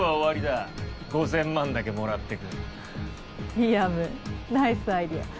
リアムナイスアイデア。